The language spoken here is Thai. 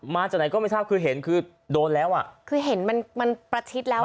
มาจากไหนก็ไม่ทราบคือเห็นคือโดนแล้วอ่ะคือเห็นมันมันประชิดแล้ว